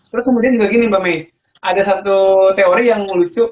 terus kemudian juga gini mbak may ada satu teori yang lucu